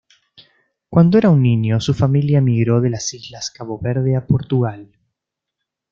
Cuando era un niño, su familia emigró de las islas Cabo Verde a Portugal.